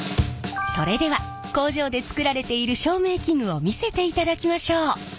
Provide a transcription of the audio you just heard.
それでは工場で作られている照明器具を見せていただきましょう。